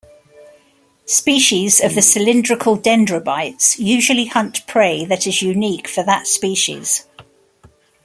Species of the cylindrical Dendrobites usually hunt prey that is unique for that species.